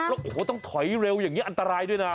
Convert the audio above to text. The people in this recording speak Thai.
แล้วโอ้โหต้องถอยเร็วอย่างนี้อันตรายด้วยนะ